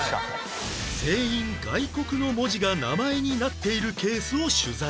全員外国の文字が名前になっているケースを取材